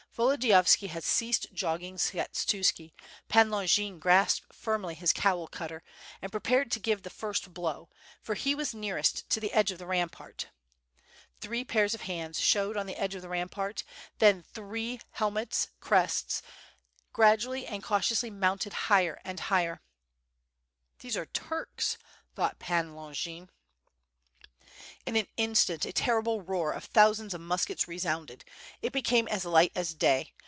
Volodiyovski had ceased jogging Skshetuski, Pan Longin grasped firmly his "Cowl cutter" and prepared to give the first blow, for he was nearest to the edge of the rampart. Three pair of hands showed on the edge of the rampart, then y^6 WiTH FIRE AND SWORD. ' three helmet crests graduallj and cautiously mounted higher and higher. "These are Turks/' thought Pan Longin. In an instant a terrible roar of thousands of muskets re sounded; it became as light as day.